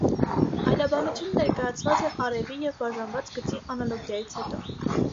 Այլաբանությունը ներկայացված է արևի և բաժանված գծի անալոգիայից հետո։